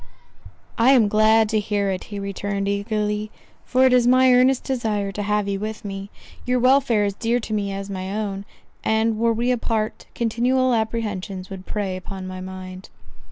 "I am glad to hear it," he returned eagerly, "for it is my earnest desire to have you with me—your welfare is dear to me as my own; and were we apart, continual apprehensions would prey upon my mind."